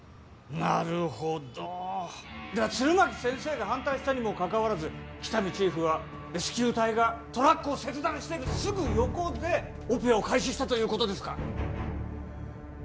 なるほどでは弦巻先生が反対したにもかかわらず喜多見チーフはレスキュー隊がトラックを切断してるすぐ横でオペを開始したということですか？